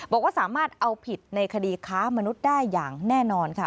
บอกว่าสามารถเอาผิดในคดีค้ามนุษย์ได้อย่างแน่นอนค่ะ